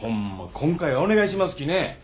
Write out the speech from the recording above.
今回はお願いしますきね。